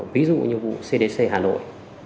ví dụ như vụ cdc hà nội